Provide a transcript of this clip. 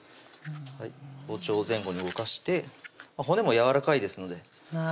包丁を前後に動かして骨もやわらかいですのであ